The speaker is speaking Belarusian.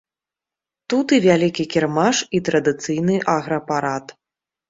Тут і вялікі кірмаш, і традыцыйны аграпарад.